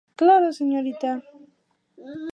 Para Patito el amor tampoco es tarea sencilla.